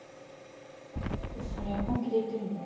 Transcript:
それ本気で言ってるの？